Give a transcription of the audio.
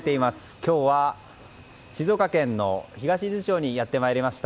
今日は静岡県の東伊豆町にやってまいりました。